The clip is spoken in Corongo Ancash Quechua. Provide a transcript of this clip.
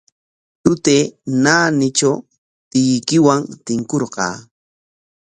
Tutay naanitraw tiyuykiwan tinkurqaa.